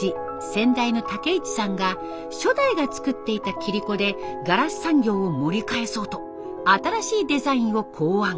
先代の武一さんが初代が作っていた切子でガラス産業を盛り返そうと新しいデザインを考案。